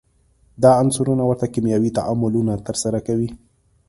دا عنصرونه ورته کیمیاوي تعاملونه ترسره کوي.